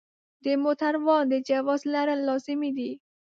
د موټروان د جواز لرل لازمي دي.